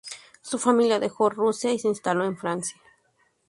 Su familia dejó Rusia y se instaló en Francia.